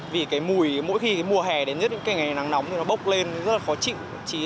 vì mùi mỗi khi mùa hè đến nhất những ngày nắng nóng thì nó bốc lên rất là khó chịu